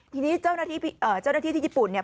ทีนี้เจ้าหน้าที่ที่ญี่ปุ่นเนี่ย